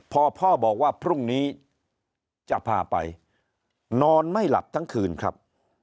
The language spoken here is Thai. พอพ่อบอกว่าพรุ่งนี้จะพาไปนอนไม่หลับทั้งคืนครับ